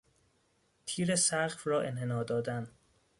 تیر سقف را انحنا دادن